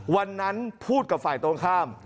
วันนั้นพูดกับฝ่ายตรงข้าม